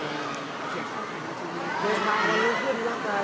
ตอนนี้ก็ต้องพักตัวเนี้ยตอนนี้ก็ต้องพักตัวเนี้ย